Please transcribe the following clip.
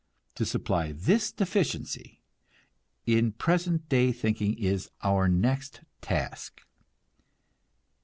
To supply this deficiency in present day thinking is our next task.